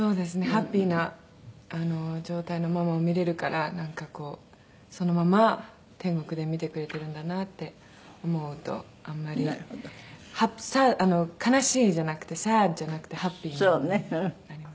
ハッピーな状態のママを見られるからなんかこうそのまま天国で見てくれてるんだなって思うとあんまり「悲しい」じゃなくて「サッド」じゃなくて「ハッピー」な方になります。